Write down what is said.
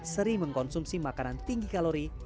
sering mengkonsumsi makanan tinggi kalori